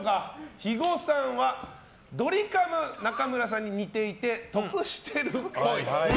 肥後さんはドリカム中村さんに似ていて得しているっぽい。